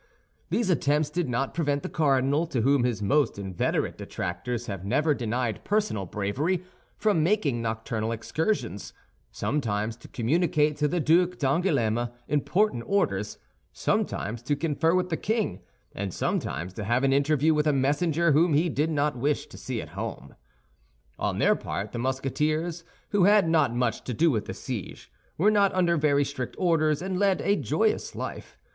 These attempts did not prevent the cardinal, to whom his most inveterate detractors have never denied personal bravery, from making nocturnal excursions, sometimes to communicate to the Duc d'Angoulême important orders, sometimes to confer with the king, and sometimes to have an interview with a messenger whom he did not wish to see at home. On their part the Musketeers, who had not much to do with the siege, were not under very strict orders and led a joyous life.